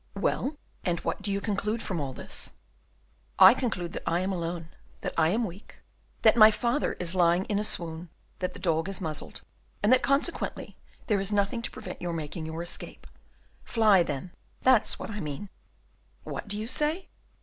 "Well, and what do you conclude from all this?" "I conclude that I am alone, that I am weak, that my father is lying in a swoon, that the dog is muzzled, and that consequently there is nothing to prevent your making your escape. Fly, then; that's what I mean." "What do you say?"